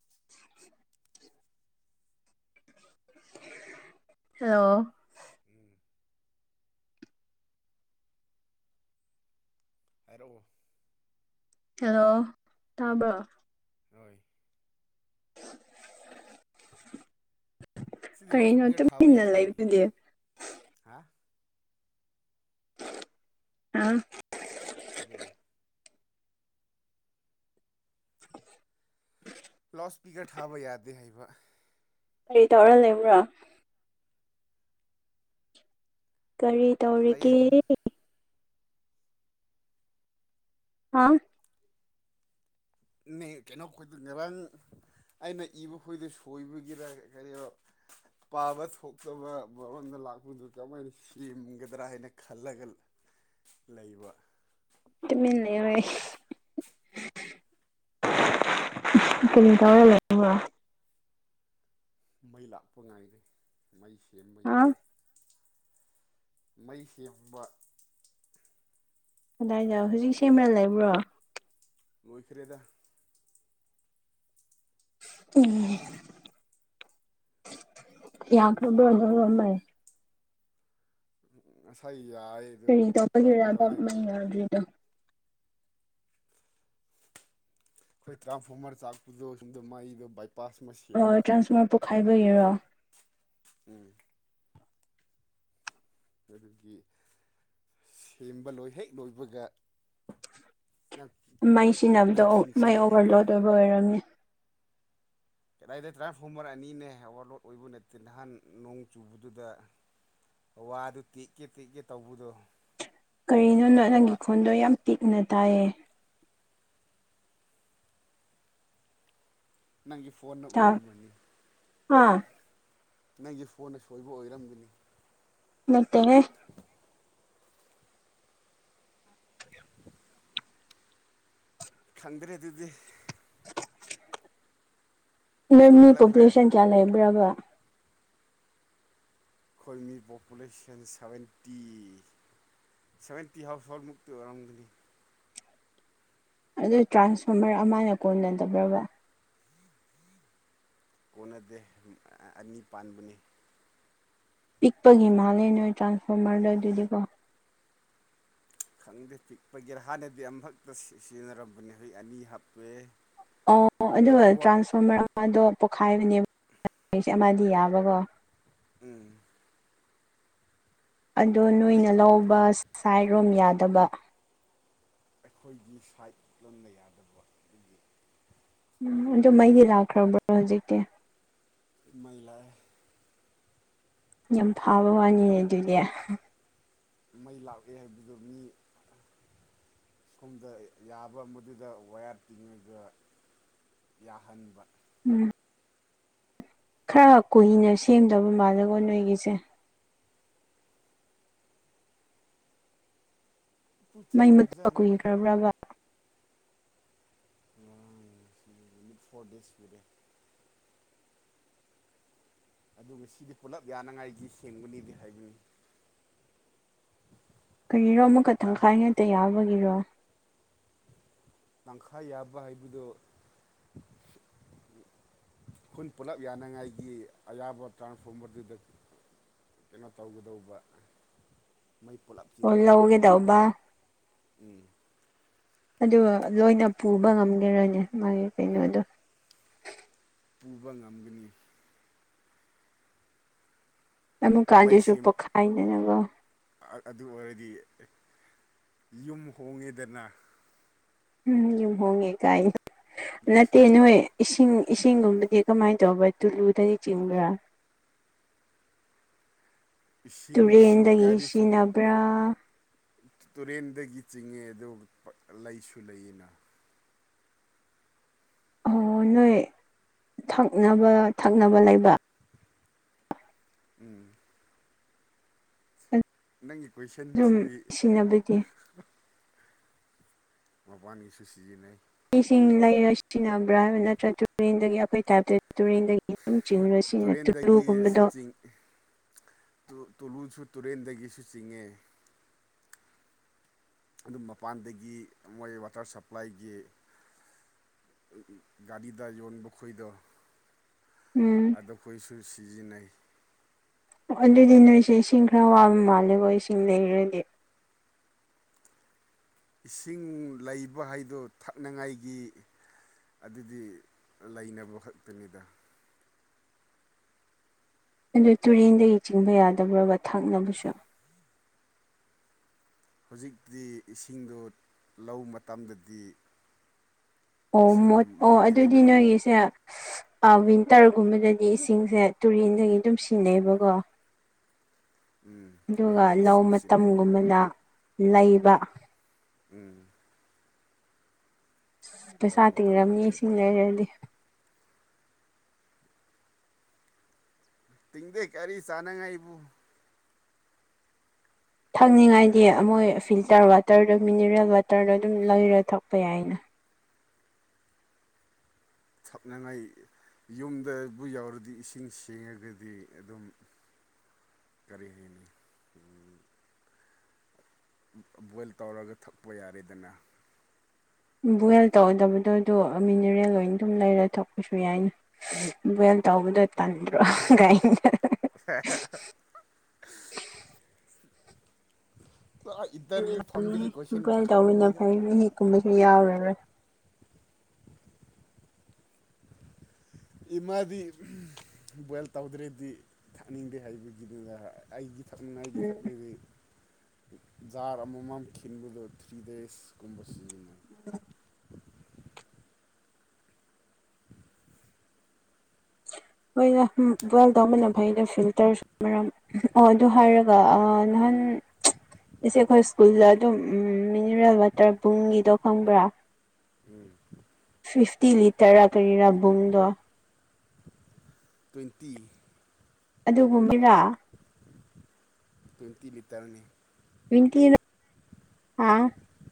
[unintelligible] ꯑ ꯍꯜꯂꯣ ꯎꯝ ꯍꯥꯏꯔꯛꯑꯣ ꯍꯜꯂꯣ ꯇꯥꯕ꯭ꯔꯣ ꯍꯣꯏ ꯁꯤꯗꯤ ꯂꯥꯎꯠ ꯀꯔꯤꯅꯣ ꯏꯁꯄꯤꯀꯔ ꯊꯥꯕ ꯇꯨꯃꯤꯟꯅ ꯌꯥꯗꯦꯅꯤ ꯂꯩꯕꯗꯤ ꯍꯥ ꯑꯥ ꯀꯔꯤ ꯑꯁꯄꯤꯀꯔ ꯊꯥꯕ ꯌꯥꯗꯦ ꯍꯥꯏꯕ ꯀꯔꯤ ꯇꯧꯔ ꯂꯩꯕ꯭ꯔꯣ ꯀꯔꯤ ꯂꯩ ꯇꯧꯔꯤꯒꯦ ꯑꯗꯨꯝ ꯍꯥꯥ ꯅ ꯀꯩꯅꯣ ꯉꯕꯥꯡ ꯑꯩꯅ ꯏꯕ ꯈꯣꯏꯗ ꯁꯣꯏꯕꯒꯤꯔ ꯀꯔꯤ ꯄꯥꯕ ꯊꯣꯛꯇꯕ ꯃꯑꯣꯗ ꯂꯥꯛꯄꯗꯨ ꯀꯃꯥꯏꯅ ꯁꯦꯝꯒꯗ꯭ꯔꯥ ꯍꯥꯏꯅ ꯈꯜꯂꯒ ꯂꯩꯕ ꯠꯇ ꯃꯅꯦ ꯑꯣꯏꯌꯦ ꯀꯔꯤ ꯇꯧꯔ ꯂꯩꯗꯣꯢꯕ ꯃꯩ ꯂꯥꯛꯄ ꯉꯥꯏꯔꯤ ꯃꯩ ꯁꯦꯝꯕ ꯍꯥ ꯌꯦꯡꯉꯤ ꯃꯩ ꯍꯟꯕ ꯀꯗꯥꯏꯗ ꯍꯧꯖꯤꯛ ꯁꯦꯝꯃ ꯂꯩꯕ꯭ꯔꯣ ꯃꯣꯏ ꯈꯔꯤꯦꯗ ꯎ ꯌꯥ ꯃꯩ ꯁꯦꯝꯕ ꯀꯕꯃ ꯁꯩ ꯀꯔꯤ ꯇꯒꯤꯦꯔꯕ ꯃꯩ ꯌꯥꯎꯗ꯭ꯔꯤꯗꯣ ꯑꯩꯈꯣꯏ ꯇ꯭ꯔꯥꯟꯐꯣꯔꯃꯔ ꯆꯥꯛꯄꯗꯣ ꯁꯣꯨꯝꯗ ꯃꯩꯗꯣ ꯕꯥꯏ ꯄꯥꯁ ꯑꯃ ꯁꯦꯝꯕ ꯍꯥꯏꯕꯒꯤꯔꯣ ꯎꯝ ꯑꯗꯨꯒꯤ ꯁꯦꯝꯕ ꯂꯣꯏ ꯍꯦꯛ ꯂꯣꯏꯕꯒ ꯅꯪ ꯃꯩ ꯅꯪ ꯁꯤꯖꯤꯟꯅꯕꯗꯣ ꯃꯩ ꯈꯤꯡꯁꯤꯜꯂꯛꯑꯦ ꯑꯣꯚꯔꯂꯣꯗ ꯑꯣꯏꯕ ꯑꯣꯏꯔꯝꯃꯤ ꯀꯗꯥꯏꯗ ꯇ꯭ꯔꯥꯟꯁꯐꯣꯔꯃꯔ ꯑꯅꯤꯅꯦ ꯑꯣꯕꯔꯂꯣꯗ ꯑꯣꯏꯕ ꯅꯠꯇꯦ ꯅꯍꯥꯟ ꯅꯣꯡ ꯆꯨꯕꯗꯨꯗ ꯋꯥꯗꯨ ꯇꯦꯛꯛꯀꯦ ꯇꯦꯛꯀꯦ ꯇꯧꯕꯗꯣ ꯀꯔꯤꯅꯣꯅꯣ ꯅꯪꯒꯤ ꯋꯥ ꯈꯣꯟꯗꯣ ꯌꯥꯝ ꯇꯤꯛꯅ ꯇꯥꯏꯌꯦ ꯅꯪꯒꯤ ꯐꯣꯟꯅ ꯑꯣꯏꯔꯝꯕꯅꯤ ꯑꯥ ꯅꯪꯁ ꯐꯣꯟ ꯑꯁꯣꯏꯕ ꯑꯣꯏꯔꯝꯒꯅꯤ ꯃꯠꯇꯦꯅꯦ ꯈꯪꯗ꯭ꯔꯦ ꯑꯗꯨꯗꯤ ꯅꯣꯏ ꯁ꯭ꯀꯨꯜ ꯃꯤ ꯍꯜꯂꯛꯈ꯭ꯔꯦ ꯄꯣꯄꯨꯂꯦꯁꯟ ꯀꯌꯥ ꯂꯩꯕ꯭ꯔꯕ ꯈꯣꯏꯃꯤ ꯄꯣꯄꯨꯂꯦꯁꯟ ꯁꯚꯦꯟꯇꯤ ꯁꯚꯦꯟꯇꯤ ꯍꯥꯎꯁ ꯍꯃꯨꯛꯇꯤ ꯑꯣꯏꯔꯝꯒꯅꯤ ꯑꯗꯨ ꯇ꯭ꯔꯥꯟꯁꯐꯣꯔꯃꯔ ꯑꯃꯅ ꯀꯣꯟꯅꯗꯕ꯭ꯔꯕ ꯀꯣꯟꯅꯗꯦ ꯑꯅꯤ ꯄꯥꯟꯕꯅꯤ ꯄꯤꯛꯄꯒꯤ ꯃꯥꯜꯂꯦ ꯅꯣꯏ ꯇ꯭ꯔꯥꯟꯁꯐꯣꯔꯃꯔꯗꯣ ꯑꯗꯨꯗꯤꯀꯣ ꯈꯪꯗꯦ ꯄꯤꯛꯄꯒꯤꯦꯔ ꯍꯥꯟꯅꯗꯤ ꯑꯃꯈꯛꯇ ꯁꯤꯖꯤꯟꯅꯔꯝꯕꯅꯦ ꯍꯣꯏ ꯑꯅꯤ ꯍꯥꯞꯄꯦ ꯑꯣ ꯑꯗꯨꯣ ꯋꯥ ꯇ꯭ꯔꯥꯟꯁꯐꯣꯔꯃꯔ ꯑꯗꯣ ꯄꯣꯛꯈꯥꯏꯕꯅꯦꯕꯁꯦ ꯑꯃꯗꯤ ꯌꯥꯕꯀꯣ ꯎꯝ ꯑꯗꯣ ꯂꯤꯛ ꯅꯣꯏꯅ ꯂꯧꯕ ꯁꯥꯏꯔꯣꯝ ꯌꯥꯗꯕ ꯑꯩꯈꯣꯏꯒꯤ ꯁꯥꯏꯠ ꯂꯣꯟꯅ ꯌꯥꯗꯕ ꯑꯗꯨꯒꯤ ꯎꯝ ꯑꯗꯨ ꯃꯩꯗꯤ ꯂꯥꯛꯈ꯭ꯔꯕ꯭ꯔꯣ ꯍꯧꯖꯤꯛꯇꯤ ꯃꯩꯂ ꯌꯥꯝ ꯐꯥꯕ ꯋꯥꯅꯤꯅꯦ ꯑꯗꯨꯗꯤ ꯃꯩ ꯂꯥꯛꯑꯦ ꯍꯥꯏꯕꯗꯨꯣ ꯃꯤ ꯁꯣꯝꯗ ꯌꯥꯕ ꯃꯗꯨꯗ ꯋꯥꯌꯥꯔ ꯇꯤꯡꯉꯒ ꯌꯥꯍꯟꯕ ꯎꯝ ꯈꯔ ꯀꯨꯏꯅ ꯁꯦꯝꯗꯕ ꯃꯥꯜꯂꯦꯒꯣ ꯅꯣꯏꯒꯤꯁꯦ ꯇꯨ ꯃꯩ ꯃꯇꯨ ꯊꯥꯎꯖꯟ ꯀꯨꯏꯈ꯭ꯔꯕ꯭ꯔꯥꯒ ꯎꯝ ꯐꯣꯔ ꯗꯦꯁ ꯄꯤꯔꯦꯠ ꯑꯗꯨꯒ ꯁꯤꯗꯤ ꯄꯨꯂꯞ ꯌꯥꯅꯉꯥꯏꯒꯤ ꯁꯦꯡꯕꯅꯤꯗꯤ ꯍꯥꯏꯕꯅꯤ ꯀꯔꯤꯔꯣ ꯑꯃꯨꯛꯈ ꯇꯪꯈꯥꯏꯉꯇ ꯌꯥꯕꯒꯤꯔꯣ ꯇꯪꯈꯥꯏ ꯌꯥꯕ ꯍꯥꯏꯕꯗꯨꯣ ꯈꯨꯟ ꯄꯨꯂꯞ ꯌꯥꯅꯉꯥꯏꯒꯤ ꯑꯌꯥꯕ ꯇꯥꯟ ꯐꯕꯗꯨꯗ ꯀꯩꯅꯣ ꯇꯧꯒꯗꯧꯕ ꯃꯩ ꯄꯨꯂꯞ ꯑꯣ ꯂꯧꯒꯦ ꯆꯤꯡꯒꯗꯧꯕꯗꯨ ꯇꯧꯕ ꯎꯝ ꯑꯗꯨꯒ ꯂꯣꯏꯅ ꯄꯨꯕ ꯉꯝꯒꯔꯅꯤ ꯃꯥꯒꯤ ꯀꯩꯅꯣꯗꯣ ꯄꯨꯕ ꯉꯝꯒꯅꯤ ꯃꯩ ꯑꯃꯨꯛꯀꯥꯟꯖꯤꯦꯁꯨ ꯁꯦꯝ ꯄꯣꯛꯈꯥꯏꯗꯅꯅꯕ ꯑꯗꯨ ꯑꯣꯏꯔꯗꯤ ꯌꯨꯝ ꯍꯣꯡꯉꯦꯗꯅ ꯎꯝ ꯌ ꯍꯣꯡꯉꯦ ꯀꯥꯏ ꯅꯠꯇꯦ ꯅꯦ ꯏꯁꯤꯡ ꯏꯁꯤꯡꯒꯨꯝꯕꯗꯤ ꯀꯃꯥꯏꯅ ꯇꯧꯕ ꯇꯨꯂꯨꯗꯒꯤ ꯆꯤꯡꯕ꯭ꯔꯥ ꯏꯁꯤꯡꯁꯨ ꯇꯨꯔꯦꯟꯗꯒꯤ ꯀꯔꯤꯁꯨ ꯁꯤꯖꯤꯟꯅꯕ꯭ꯔꯥ ꯇꯨꯔꯦꯟꯗꯒꯤ ꯆꯤꯡꯉꯦ ꯑꯗꯨꯒ ꯂꯩꯁꯨ ꯂꯩꯌꯦꯅ ꯑꯣ ꯅꯣꯏ ꯊꯛꯅꯕ ꯊꯛꯅꯕ ꯂꯩꯕ ꯎꯝ ꯅꯪꯒꯤ ꯑꯗꯨꯝ ꯀꯣꯏꯁꯟꯁꯤꯗꯤ ꯁꯤꯟꯅꯅꯕꯗꯤ ꯃꯕꯥꯅꯤꯁꯨ ꯁꯤꯖꯤꯟꯅꯩ ꯏꯁꯤꯡ ꯂꯩꯔ ꯁꯤꯖꯤꯟꯅꯕ꯭ꯔꯥ ꯍꯥꯏꯕ ꯅꯠꯇ꯭ꯔꯒ ꯇꯨꯔꯦꯟꯗꯒꯤ ꯑꯩꯈꯣꯏ ꯇꯥꯏꯞꯇ ꯇꯨꯔꯦꯟꯗꯒꯤ ꯑꯗꯨꯝ ꯆꯤꯡꯔ ꯁꯤꯖꯤꯟꯅ ꯇꯨꯔꯦꯟꯗꯒꯤꯁꯨ ꯇꯨꯂꯨꯒꯨꯝꯕꯗꯣ ꯆꯤꯡ ꯇꯨꯂꯨꯁꯨ ꯇꯨꯔꯦꯟꯗꯒꯤꯁꯨ ꯆꯤꯡꯉꯦ ꯑꯗꯨꯝ ꯃꯄꯥꯟꯗꯒꯤ ꯃꯣꯏ ꯋꯥꯇꯔ ꯁꯄ꯭ꯂꯥꯏꯒꯤ ꯔꯤꯗ ꯌꯣꯟ ꯈꯣꯏꯗ ꯎꯝ ꯑꯗꯨꯈꯣꯏꯁꯨ ꯁꯤꯖꯤꯟꯅꯩ ꯑꯗꯨꯗꯤ ꯅꯣꯏꯁꯦ ꯏꯁꯤꯡ ꯈꯔ ꯋꯥꯕ ꯃꯥꯜꯂꯦꯀꯣ ꯏꯁꯤꯡ ꯂꯩꯔꯗꯤ ꯏꯁꯤꯡ ꯂꯩꯕ ꯍꯥꯏꯗꯣ ꯊꯛꯅꯉꯥꯏꯒꯤ ꯑꯗꯨꯗꯤ ꯂꯩꯅꯕ ꯈꯛꯇꯅꯤꯗ ꯑꯗꯨ ꯇꯨꯔꯦꯟꯗꯒꯤ ꯆꯤꯡꯕ ꯌꯥꯗꯕ꯭ꯔꯒ ꯊꯛꯅꯕꯁꯨ ꯍꯧꯖꯤꯛꯇꯤ ꯏꯁꯤꯡꯗꯣ ꯂ ꯃꯇꯝꯗꯗꯤ ꯑꯣ ꯃꯣ ꯏꯁꯤꯡꯗꯣ ꯑꯣ ꯑꯗꯨꯗꯤ ꯃꯣꯠꯂꯦꯗꯅꯀꯣ ꯅꯣꯏꯒꯤꯁꯦ ꯋꯤꯟꯇꯔꯒꯨꯝꯕꯗꯗꯤ ꯏꯁꯤꯡꯁꯦ ꯇꯨꯔꯦꯟꯗꯒꯤ ꯑꯗꯨꯝ ꯁꯤꯟꯅꯩꯑꯕꯀꯣ ꯎꯝ ꯑꯗꯨꯒ ꯇꯨꯔꯦꯟꯗ ꯂꯧ ꯁꯨꯝ ꯁꯤꯖꯤꯟꯅꯩ ꯃꯇꯝꯒꯨꯝꯕꯗ ꯂꯩꯕ ꯎꯝ ꯂꯧ ꯄꯩꯁꯥ ꯃꯇꯝꯗ ꯇꯤꯡꯔꯝꯅꯤ ꯂꯩꯕ ꯏꯁꯤꯡ ꯂꯩꯔꯗꯤ ꯇꯤꯡꯗꯦ ꯀꯔꯤ ꯆꯥꯅꯉꯥꯏꯕꯨ ꯊꯛꯅꯤꯡꯉꯥꯏꯗꯤ ꯃꯣꯏ ꯐꯤꯜꯇꯔ ꯋꯥꯇꯔꯗ ꯃꯤꯅꯔꯦꯜ ꯋꯥꯇꯔꯗꯣ ꯑꯗꯨꯝ ꯂꯩꯔ ꯊꯛꯄ ꯌꯥꯏꯅ ꯁꯛꯅꯉꯥꯏ ꯌꯨꯝꯗꯕꯨ ꯌꯥꯎꯔꯗꯤ ꯏꯁꯤꯡ ꯁꯦꯡꯉꯒꯗꯤ ꯑꯗꯨꯝ ꯀꯔꯤꯗꯅꯤ ꯎ ꯕꯣꯏꯜ ꯇꯧꯔꯒ ꯊꯛꯄ ꯌꯥꯔꯦꯗꯅ ꯕꯣꯏꯜ ꯇꯧꯗꯕꯗꯣ ꯑꯗꯨ ꯃꯤꯅꯔꯦꯜ ꯑꯣꯏꯅ ꯑꯗꯨꯝ ꯂꯩꯔ ꯊꯛꯄꯁꯨ ꯌꯥꯏꯅꯤ ꯇꯧꯕꯗꯣ ꯇꯟꯗ꯭ꯔꯣ ꯀꯥꯏꯗ [unintelligible] ꯏꯇꯔꯨ ꯐꯪꯕꯤꯒꯤ ꯀ꯭ꯋꯁꯟ ꯀ ꯐꯪ ꯀꯨꯝꯕꯁꯨ ꯌꯥꯎꯔꯔꯣꯏ ꯏꯃꯗꯤ ꯕꯣꯏꯜ ꯇꯧꯗ꯭ꯔꯗꯤ ꯊꯥꯅꯤꯡꯗꯦ ꯍꯥꯏꯕꯒꯤꯗꯨꯗ ꯑꯩꯒꯤ ꯊꯝꯅ ꯎꯝ ꯖꯥꯔ ꯑꯃꯃꯝ ꯈꯤꯟꯕꯗꯣ ꯊ꯭ꯔꯤ ꯗꯦꯖꯀꯨꯝꯕ ꯁꯤꯖꯤꯟꯅꯩ ꯎ [unintelligible] ꯃꯣꯏꯅ ꯕꯜ ꯇ ꯃꯟꯅ ꯐꯩꯗ ꯐꯤꯜꯇꯔ ꯃꯔꯝ ꯑꯣ ꯑꯗꯨ ꯍꯥꯏꯔꯒ ꯅꯍꯥꯟ ꯎꯝ ꯏꯁꯦ ꯑꯩꯈꯣꯏ ꯁ꯭ꯀꯨꯜꯗ ꯑꯗꯨꯝ ꯃꯤꯅꯔꯦꯜ ꯋꯥꯇꯔ ꯕꯨꯡꯒꯤꯗꯣ ꯈꯪꯕ꯭ꯔꯥ ꯐꯤꯐꯇꯤ ꯂꯤꯇꯔ ꯀꯔꯤꯔꯥꯕꯨꯡꯗꯣ ꯇ꯭ꯋꯦꯟꯇꯤ ꯑꯗꯨꯒꯨꯝꯕꯔ ꯇꯋꯥꯏꯇꯤ ꯂꯤꯇꯔꯅꯤ [unintelligible] ꯑ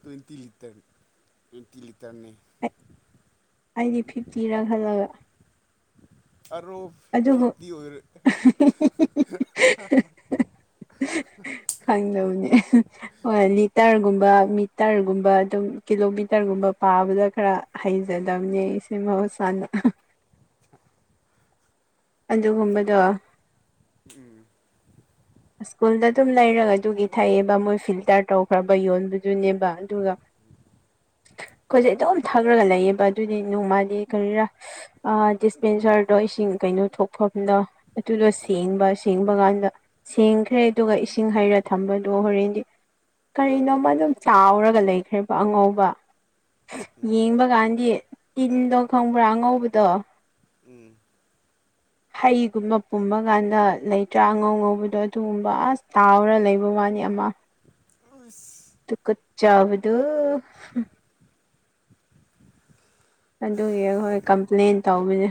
ꯇ꯭ꯋꯦꯟꯇꯤ ꯂꯤꯇꯔ ꯇ꯭ꯋꯦꯟꯇꯤ ꯂꯤꯇꯔꯅꯦ ꯑꯩꯗꯤ ꯐꯤꯐꯇꯤꯔꯥ ꯈꯜꯂꯒ ꯑꯔꯣ ꯑꯗꯨꯕꯨ ꯐꯤꯞꯇꯤ ꯑꯣꯏꯔꯦ ꯈꯪꯗꯕꯅꯦ ꯍꯣ ꯂꯤꯇꯔꯒꯨꯝꯕ ꯃꯤꯇꯔꯒꯨꯝꯕ ꯑꯗꯨꯝ ꯀꯤꯂꯣꯃꯤꯇꯔꯒꯨꯝꯕ ꯄꯥꯕꯗ ꯈꯔ ꯍꯩꯖꯗꯕꯅꯦ ꯑꯩꯁꯦ ꯃꯍꯧꯁꯥ ꯑ [unintelligible] ꯑꯗꯨ ꯒꯨꯝꯕꯗꯣ ꯐꯤꯐꯇꯤ ꯎꯝ [inaudible] ꯁ꯭ꯀꯨꯜꯗ ꯑꯗꯨꯝ ꯂꯩꯔꯒ ꯑꯗꯨꯒꯤ ꯊꯛꯑꯦꯕ ꯃꯣꯏ ꯐꯤꯜꯇꯔ ꯇꯧꯈ꯭ꯔꯕ ꯌꯣꯟꯕꯗꯨꯅꯦꯕ ꯑꯗꯨꯒ [inaudible] ꯑꯩꯈꯣꯏꯁꯦ ꯑꯗꯨꯝ ꯊꯥꯛꯔꯒ ꯂꯩꯌꯦꯕ ꯑꯗꯨꯗꯤ ꯅꯣꯡꯗꯤ ꯀꯔꯤꯔꯥ ꯗꯤꯁꯄꯦꯟꯁꯔꯗꯣ ꯏꯁꯤꯡ ꯀꯩꯅꯣ ꯊꯣꯛꯐꯝꯗꯣ ꯑꯗꯨꯗꯣ ꯎꯝ ꯁꯦꯡꯕ ꯁꯦꯡꯕ ꯀꯥꯟꯗ ꯁꯦꯡꯈ꯭ꯔꯦ ꯑꯗꯨꯒ ꯏꯁꯤꯡ ꯍꯩꯔ ꯊꯝꯕ ꯗꯣ ꯍꯣꯔꯦꯟꯗꯤ ꯀꯔꯤꯅꯣꯃ ꯑꯗꯨꯝ ꯆꯥꯎꯔꯒ ꯂꯩꯈ꯭ꯔꯦꯕ ꯑꯉꯧꯕ ꯎꯝ ꯌꯦꯡꯕ ꯀꯥꯟꯗꯤ ꯇꯤꯟꯗꯣ ꯈꯪꯕ꯭ꯔꯥ ꯉꯧꯕꯗꯣ ꯎꯝ ꯍꯩꯒꯨꯝꯕ ꯄꯨꯝꯕ ꯀꯥꯟꯗ ꯂꯩꯇ꯭ꯔꯥ ꯑꯉꯧ ꯉꯧꯕꯗꯣ ꯑꯗꯨꯒꯨꯝꯕ ꯑꯁ ꯇꯥꯎꯔ ꯂꯩꯕ ꯋꯥ ꯃꯥꯅꯤ ꯑꯃ ꯑꯁ ꯇꯨꯒꯠꯆꯕꯗꯣ ꯑꯗꯨꯒꯤ ꯑꯩꯈꯣꯏ ꯀꯝꯄ꯭ꯂꯦꯟ ꯇꯧꯕꯅꯦ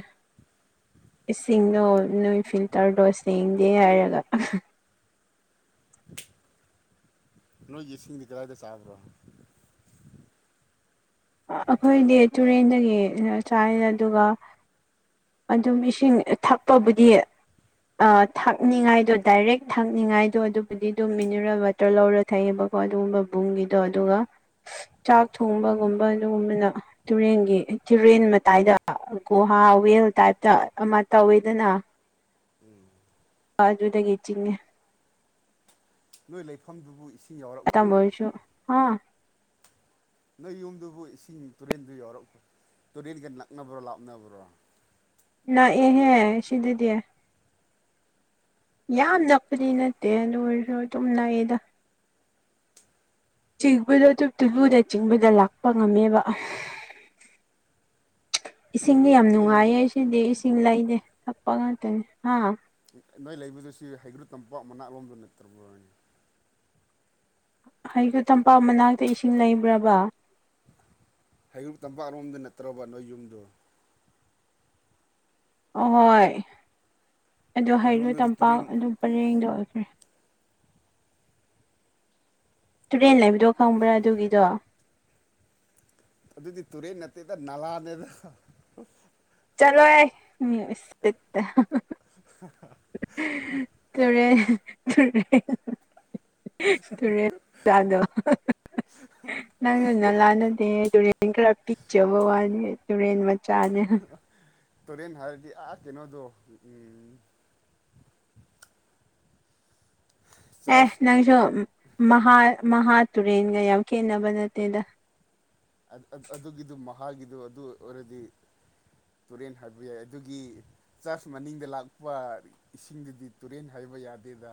ꯏꯁꯤꯡꯗꯣ ꯅꯣꯏ ꯐꯤꯜꯇꯔꯗꯣ ꯁꯦꯡꯗꯦ ꯍꯥꯏꯔꯒ [inaudible] ꯅꯣꯏ ꯏꯁꯤꯡꯗꯤ ꯀꯔꯥꯏꯗ ꯆꯥꯕ꯭ꯔꯣ ꯑꯩꯈꯣꯏꯗꯤ ꯇꯨꯔꯦꯟꯗꯒꯤ ꯆꯥꯏ ꯑꯗꯨꯒ ꯑꯗꯨꯝ ꯏꯁꯤꯡ ꯊꯛꯄꯕꯨꯗꯤ ꯊꯛꯅꯤꯡꯉꯥꯏꯗꯣ ꯗꯥꯏꯔꯦꯛ ꯊꯥꯛꯅꯤꯡꯉꯥꯏꯗꯣ ꯑꯗꯨꯕꯨꯗꯤ ꯑꯗꯨꯝ ꯃꯤꯅꯔꯦꯜ ꯋꯥꯇꯔ ꯂꯧꯔ ꯊꯛꯑꯕ ꯑꯗꯨꯒꯨꯝꯕ ꯕꯨꯝꯒꯤꯗꯣ ꯑꯗꯨꯒ ꯆꯥꯛ ꯊꯣꯡꯕꯒꯨꯝ ꯑꯗꯨꯒꯕꯅ ꯇꯨꯔꯦꯟꯒꯤ ꯇꯨꯔꯦꯟ ꯃꯇꯥꯏꯗ ꯒꯨꯍꯥ ꯋꯦꯜ ꯇꯥꯏꯞꯇ ꯑꯃ ꯇꯧꯋꯦꯗꯅꯥ ꯑꯥꯗꯨꯗꯒꯤ ꯆꯤꯡꯉꯦ ꯅꯣꯏ ꯂꯩꯐꯝꯗꯨꯕꯨ ꯏꯁꯤꯡ ꯇꯝ ꯌꯥꯎꯔꯛꯈ꯭ꯔꯅꯤ ꯑꯣꯏꯔꯁꯨ ꯍꯥ ꯅꯣꯏ ꯌꯨꯝꯗꯨꯕꯨ ꯏꯁꯤꯡ ꯇꯨꯔꯦꯟꯗꯨ ꯌꯥꯎꯔꯛꯄ ꯇꯨꯔꯦꯟꯒ ꯅꯛꯅꯕ꯭ꯔꯣ ꯂꯥꯞꯅꯕ꯭ꯔꯣ ꯅꯛꯑꯦꯍꯦ ꯁꯤꯗꯗꯤ ꯌꯥꯝ ꯅꯛꯄꯗꯤ ꯅꯠꯇꯦ ꯑꯗꯨ ꯑꯣꯏꯔꯁꯨ ꯑꯗꯨꯝ ꯅꯛꯏꯗ ꯆꯤꯡꯕꯗ ꯇꯨꯞ ꯇꯨꯂꯨꯅ ꯆꯤꯡꯕꯗ ꯂꯥꯛꯄ ꯉꯝꯃꯦꯕ ꯅꯣꯏ ꯏꯁꯤꯡꯗꯤ ꯌꯥꯝ ꯅꯣꯏ ꯂꯩꯕ ꯅꯨꯡꯉꯥꯏꯌꯦ ꯁꯤꯗꯤ ꯏꯁꯤꯡ ꯂꯩꯗꯦ ꯊꯛꯄ ꯉꯥꯛꯇꯅꯦ ꯍꯥꯥ ꯅꯣꯏ ꯂꯩꯕꯗꯨ ꯁꯤ ꯍꯩꯒ꯭ꯔꯨ ꯇꯝꯄꯥꯛ ꯃꯅꯥꯛ ꯂꯣꯝꯗ ꯅꯠꯇ꯭ꯔꯕꯅꯦ ꯑꯩꯗꯣ ꯇꯝꯄꯥꯛ ꯃꯅꯥꯛꯇ ꯏꯁꯤꯡ ꯂꯩꯕ꯭ꯔꯕ ꯍꯩꯔꯨꯛ ꯇꯝꯄꯥꯛꯔꯣꯝꯗ ꯅꯠꯇ꯭ꯔꯔꯕ ꯅꯣꯏ ꯌꯨꯝꯗꯨ ꯑꯍꯣꯏ ꯑꯗꯨ ꯍꯩꯔꯨ ꯑꯗꯨꯔꯣꯝꯗꯗꯤ ꯇꯝꯄꯥꯛ ꯇꯨꯔꯦꯟ ꯑꯗꯨꯝ ꯄꯔꯦꯡꯗ ꯑꯣꯏꯈ꯭ꯔꯦ ꯇꯨꯔꯦꯟ ꯂꯩꯕꯗꯣ ꯈꯪꯕ꯭ꯔꯥ ꯑꯗꯨꯒꯤꯗꯣ ꯑꯗꯨꯗꯤ ꯇꯨꯔꯦꯟ ꯅꯠꯇꯦꯗ ꯅꯥꯂꯥꯅꯦꯗ ꯆꯠꯂꯣꯍꯦ ꯃꯤ ꯎꯁꯥꯠꯇꯕ ꯇꯨꯔꯦꯜ ꯇꯨꯔꯦꯟ ꯇꯨꯔꯦꯟ ꯆꯥꯗꯣ ꯅꯪ ꯅ ꯂꯥꯟꯅꯅꯦ ꯑꯗꯨ ꯄꯤꯛꯆꯔ ꯋꯥ ꯋꯥꯅꯦ ꯇꯨꯔꯦꯟ ꯃꯆꯥꯅꯦ ꯇꯨꯔꯦꯟ ꯍꯥꯏꯔꯗꯤ ꯑꯥ ꯀꯩꯅꯣꯗꯣ ꯎꯝ ꯑꯦ ꯆꯔꯆ ꯅꯪꯁꯨ ꯃꯍꯥ ꯃꯍꯥ ꯇꯨꯔꯦꯟꯒ ꯌꯥꯝ ꯈꯦꯠꯅꯕ ꯅꯠꯇꯦꯗ ꯑꯗꯨꯒꯤꯗꯨ ꯃꯍꯥꯛꯀꯤꯥꯒꯤꯗꯨꯣ ꯑꯗꯨ ꯑꯣꯏꯔꯗꯤ ꯇꯨꯔꯦꯟ ꯍꯥꯏꯕ ꯌꯥꯏ ꯑꯗꯨꯒꯤ ꯆꯔꯆ ꯃꯅꯤꯡꯗ ꯂꯥꯛꯄ ꯏꯁꯤꯡꯗꯨꯗꯤ ꯇꯨꯔꯦꯟ ꯍꯥꯏꯕ ꯃꯖꯥꯗꯗ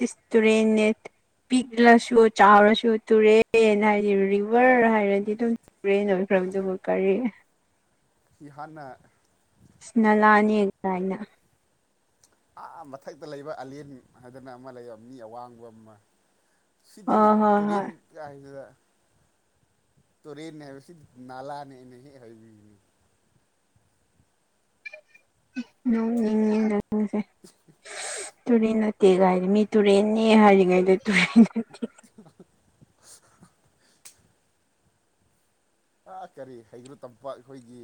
ꯤꯁ ꯇꯨꯔꯦꯟꯅꯦꯠ ꯄꯤꯛꯂꯁꯨ ꯆꯥꯎꯔꯁꯨ ꯇꯨꯔꯦꯅ ꯍꯥꯏꯗꯤ ꯈꯕꯔ ꯍꯥꯏꯔꯗꯤ ꯑꯗꯨꯝꯨꯔꯦ ꯅꯣꯏꯈ꯭ꯔꯕꯗꯨꯕꯨ ꯀꯔꯤ ꯏꯍꯥꯟꯅ ꯏꯁ ꯅꯂꯥꯅꯤ ꯀꯥꯏꯅ ꯑꯥ ꯃꯊꯛꯇ ꯂꯩꯕ ꯑꯂꯦꯟ ꯍꯥꯏꯗꯅ ꯑꯃ ꯂꯩꯕ ꯃꯤ ꯑꯋꯥꯡꯕ ꯑꯃ ꯁꯤꯗꯤ ꯑꯣ ꯍꯣꯏ ꯇꯨꯔꯦꯟ ꯍꯣꯏ ꯀꯥꯏ ꯍꯥꯏꯁꯤꯗ ꯇꯔꯤ ꯅꯕꯁꯤ ꯅꯂꯥꯅꯦꯅꯦ ꯍꯥꯏꯕꯤꯅꯤ ꯅꯪꯗꯁꯦ ꯇꯨꯔꯔꯤ ꯅꯠꯇꯦꯒꯥꯏꯔꯤ ꯃꯤ ꯇꯨꯔꯦꯟꯅꯤ ꯍꯥꯏꯔꯤꯉꯥꯏꯗ ꯇꯨꯔꯔꯤ ꯑ ꯀꯔꯤ ꯍꯩꯒ꯭ꯔꯨ ꯇꯝꯄꯥꯛ ꯑꯩꯈꯣꯏꯒꯤ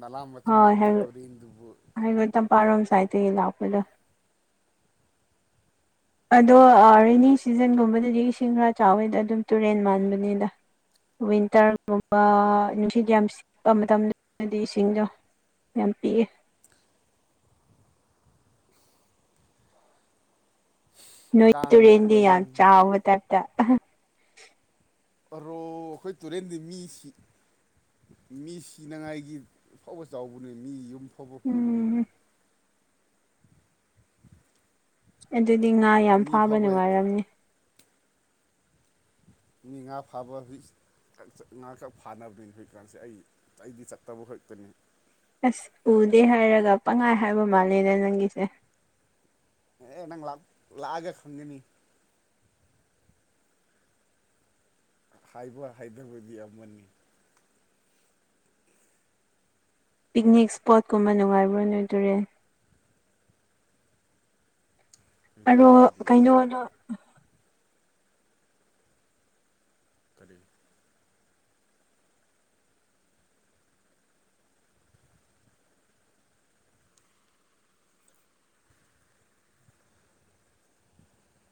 ꯂ ꯃꯆꯨꯝ ꯍꯣꯏ ꯂꯥꯛꯄ ꯇꯔꯤꯟ ꯗꯨꯕꯔ ꯌꯥꯥꯏ ꯇꯂꯂ ꯑꯗꯣ ꯔꯦꯅꯤ ꯁꯤꯖꯟꯒꯨꯝꯕꯗꯗꯤ ꯏꯁꯤꯡ ꯈꯔ ꯆꯥꯎꯋꯦꯗ ꯑꯗꯨꯝ ꯇꯨꯔꯦꯟ ꯃꯥꯟꯕꯅꯤꯗ ꯋꯤꯟꯇꯔꯒꯨꯝꯕ ꯅꯨꯡꯁꯤꯠ ꯌꯥꯝ ꯁꯤꯠꯄ ꯃꯇꯝꯗꯗꯗꯤ ꯏꯁꯤꯡꯗꯣ ꯌꯥꯝꯇꯤꯑ ꯅꯣꯏ ꯀꯥꯡ ꯃꯌꯥꯝ ꯇꯨꯔꯦꯟꯗꯤ ꯌꯥꯝ ꯂꯩꯔꯝꯅꯤ ꯆꯥꯒ ꯇꯞꯗ ꯑꯣ ꯑꯩꯈꯣꯏ ꯇꯨꯔꯦꯟꯗꯤ ꯃꯤꯁꯤ ꯃꯤ ꯁꯤꯅꯉꯥꯏꯒꯤ ꯐꯥꯎꯕ ꯆꯥꯎꯕꯅꯤ ꯃꯤ ꯌꯨꯝ ꯐꯥꯎꯕ ꯎꯝ ꯄꯨꯕꯅꯤꯅꯤ ꯑꯗꯨꯗꯤ ꯉꯥ ꯌꯥꯝ ꯃꯤ ꯐꯥꯕ ꯐꯥꯎꯕ ꯅꯨꯡꯉꯥꯏꯔꯝꯅꯤ ꯃꯤꯅꯤꯉꯥ ꯐꯥꯕ ꯍ ꯉꯥ ꯈꯛ ꯐꯥꯅꯕꯅꯤꯅꯤ ꯍꯧꯖꯤꯛꯀꯥꯟꯁꯤꯦ ꯑꯩ ꯑꯩꯗꯤ ꯆꯠꯇꯕ ꯍꯦꯛꯇꯅꯤ ꯑꯁ ꯎꯗꯦ ꯍꯥꯏꯔꯒ ꯄꯪꯉꯥꯏ ꯍꯥꯏꯕ ꯃꯥꯜꯂꯦꯗ ꯅꯪꯒꯤꯁꯦ ꯑꯦ ꯑꯦ ꯅꯪ ꯂꯥꯛꯑꯒ ꯈꯪꯒꯅꯤ ꯍꯥꯏꯕ ꯍꯥꯏꯗꯕꯗꯤ ꯑꯃꯅꯤ ꯄꯤꯛꯅꯤꯛ ꯏꯁꯄꯣꯠꯀꯨꯝꯕ ꯅꯨꯡꯉꯥꯏꯕ꯭ꯔꯥ ꯅꯣꯏꯗꯣꯔꯦ ꯑꯩꯈꯣꯏ ꯑꯣ ꯇꯨꯔꯦꯟꯗꯤ ꯀꯩꯅꯣꯅ ꯀꯔꯤ